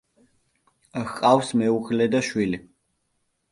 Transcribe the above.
ჰყავს მეუღლე და შვილი.